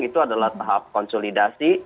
itu adalah tahap konsolidasi